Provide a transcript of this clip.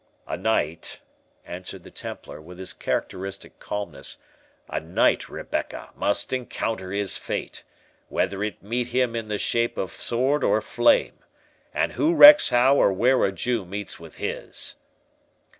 "A knight," answered the Templar, with his characteristic calmness, "a knight, Rebecca, must encounter his fate, whether it meet him in the shape of sword or flame—and who recks how or where a Jew meets with his?"